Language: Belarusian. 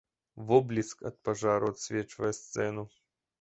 Водбліск ад пажару асвечвае сцэну.